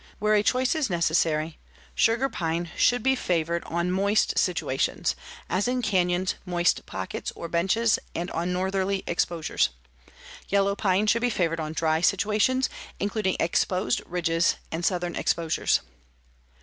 Where a choice is necessary, sugar pine should be favored on moist situations, as in canyons, moist pockets, or benches and on northerly exposures. Yellow pine should be favored on dry situations, including exposed ridges and southern exposures.